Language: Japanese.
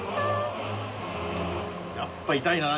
やっぱ痛いな。